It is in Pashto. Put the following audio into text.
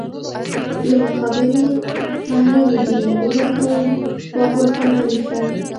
زمونږ خبرې محرمې دي، هیله کوم غوږ ورته مه نیسه!